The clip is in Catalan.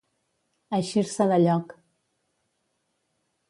Eixir-se de lloc.